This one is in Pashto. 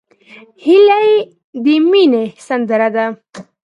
هیلۍ د مینې سندره ده